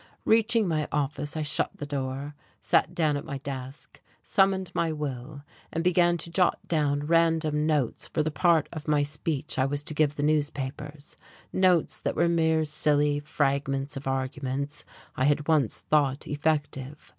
Reaching my office, I shut the door, sat down at my desk, summoned my will, and began to jot down random notes for the part of my speech I was to give the newspapers, notes that were mere silly fragments of arguments I had once thought effective.